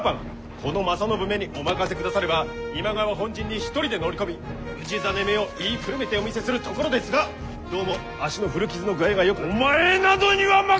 この正信めにお任せくだされば今川本陣に一人で乗り込み氏真めを言いくるめてお見せするところですがどうも足の古傷の具合がよくなく。